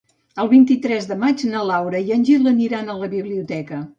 El vint-i-tres de maig na Laura i en Gil aniran a la biblioteca.